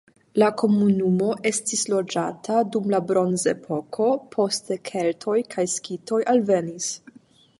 La komunumo estis loĝata dum la bronzepoko, poste keltoj kaj skitoj alvenis.